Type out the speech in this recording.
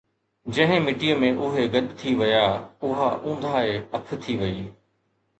جنهن مٽيءَ ۾ اهي گڏ ٿي ويا، اُها اونداهي اک ٿي وئي